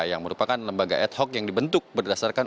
yang merupakan lembaga ad hoc yang dibentuk berdasarkan